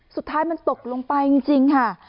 สุดท้ายมันตกลงไปจริงค่ะ